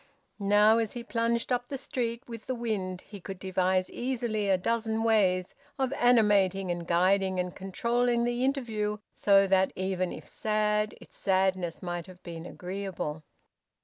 Now, as he plunged up the street with the wind, he could devise easily a dozen ways of animating and guiding and controlling the interview so that, even if sad, its sadness might have been agreeable.